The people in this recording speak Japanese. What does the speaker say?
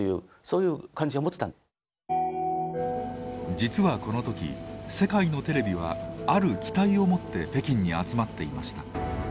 実はこの時世界のテレビはある期待を持って北京に集まっていました。